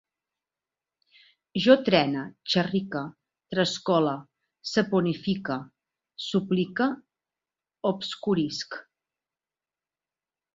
Jo trene, xerrique, trascole, saponifique, suplique, obscurisc